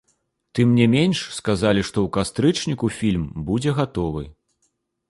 Тым не менш, сказалі, што ў кастрычніку фільм будзе гатовы.